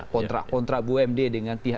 kontrak kontra bumd dengan pihak